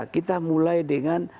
kita mulai dengan